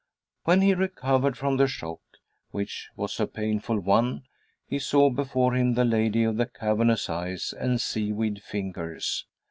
When he recovered from the shock, which was a painful one, he saw before him the lady of the cavernous eyes and sea weed fingers.